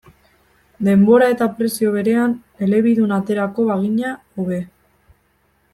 Denbora eta prezio berean elebidun aterako bagina, hobe.